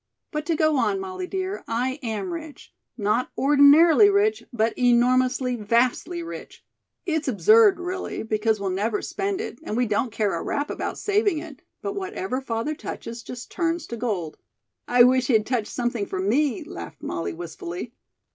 But to go on, Molly, dear, I am rich, not ordinarily rich, but enormously, vastly rich. It's absurd, really, because we'll never spend it, and we don't care a rap about saving it; but whatever father touches just turns to gold." "I wish he'd touch something for me," laughed Molly, wistfully.